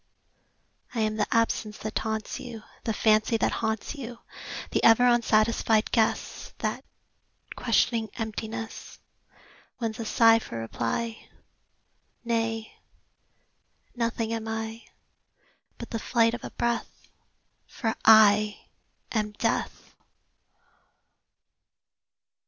I am the absence that taunts you, The fancy that haunts you; The ever unsatisfied guess That, questioning emptiness, Wins a sigh for reply. Nay; nothing am I, But the flight of a breath For I am Death!